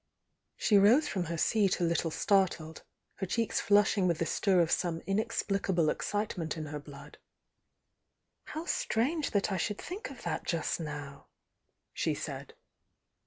She rose from her seat a little startled, her cheeks flushing with the stir of some inexplicable excite ment in her blood. "How strange that I should think of that just now!" she said.